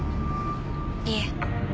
いえ。